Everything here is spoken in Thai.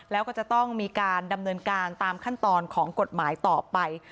แล้วก็จะต้องมีการดำเนินการตามขั้นตอนของกฎหมายต่อไป